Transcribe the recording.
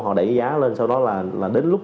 họ đẩy giá lên sau đó là đến lúc